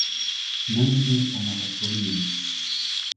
"Mężny panować powinien."